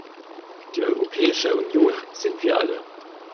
Die Europäische Union sind wir alle!